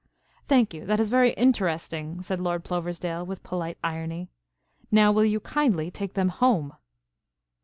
"Thank you, that is very interesting," said Lord Ploversdale, with polite irony. "Now will you kindly take them home?"